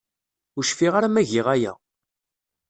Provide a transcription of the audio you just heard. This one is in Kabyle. Ur cfiɣ ara ma giɣ aya.